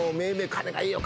「彼がいいよ」